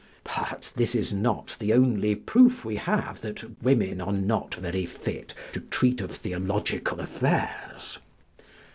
But this is not the only proof we have that women are not very fit to treat of theological affairs.